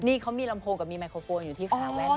นี่เขามีลำโพงกับมีไมโครโฟนอยู่ที่ขาแว่น